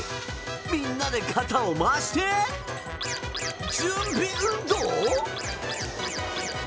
みんなで肩を回して準備運動？